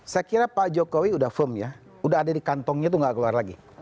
saya kira pak jokowi udah firm ya udah ada di kantongnya itu nggak keluar lagi